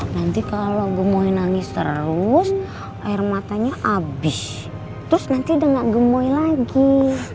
nanti kalau gemoy nangis terus air matanya habis terus nanti udah enggak gemoy lagi ya